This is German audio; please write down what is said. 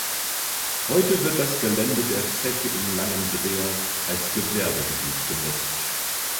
Heute wird das Gelände der Zeche in Langendreer als Gewerbegebiet genutzt.